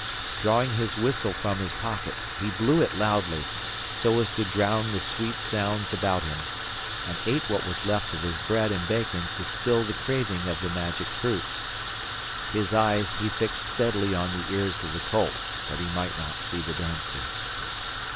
Drawing his whistle from his pocket, he blew it loudly, so as to drown the sweet sounds about him, and ate what was left of his bread and bacon to still the craving of the magic fruits. His eyes he fixed steadily on the ears of the colt, that he might not see the dancers.